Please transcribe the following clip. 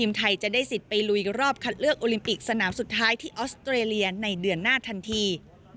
ไทยจะได้สิทธิ์ไปลุยรอบคัดเลือกโอลิมปิกสนามสุดท้ายที่ออสเตรเลียในเดือนหน้าทันที